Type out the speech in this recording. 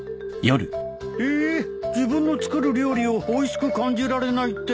ええ自分の作る料理をおいしく感じられないって？